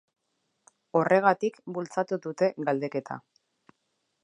Horregatik bultzatu dute galdeketa.